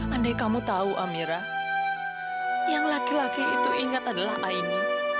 andai kamu tahu amira yang laki laki itu ingat adalah aini